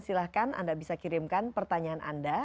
silahkan anda bisa kirimkan pertanyaan anda